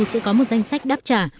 sẽ có một danh sách đáp trả